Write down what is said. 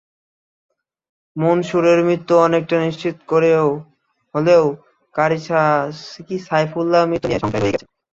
মনসুরের মৃত্যু অনেকটা নিশ্চিত হলেও কারি সাইফুল্লাহর মৃত্যু নিয়ে সংশয় রয়েই গেছে।